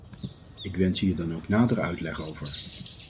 Ik wens hier dan ook nadere uitleg over.